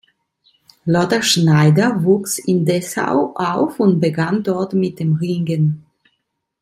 Lothar Schneider wuchs in Dessau auf und begann dort mit dem Ringen.